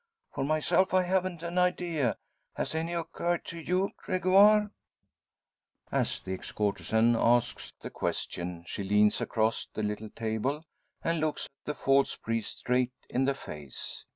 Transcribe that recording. For myself I haven't an idea. Has any occurred to you, Gregoire?" As the ex courtesan asks the question, she leans across the little table, and looks the false priest straight in the face.